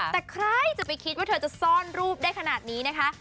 แต่ใครจะไปคิดว่าเธอจะซ่อนรูปได้ขนาดนี้นะคะ